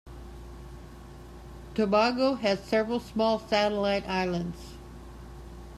Tobago has several small satellite islands.